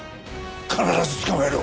必ず捕まえろ！